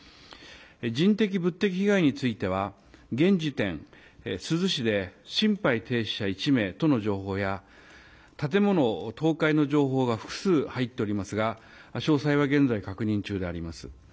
人的、物的被害については、現時点、珠洲市で心肺停止者１名との情報や、建物倒壊の情報が複数入っておりますが、詳細は現在確認中であります。